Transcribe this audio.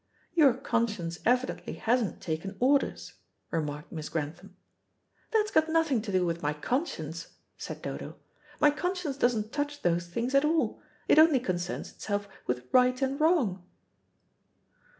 "Your conscience evidently hasn't taken orders," remarked Miss Grantham. "That's got nothing to do with my conscience," said Dodo. "My conscience doesn't touch those things at all. It only concerns itself with right and wrong."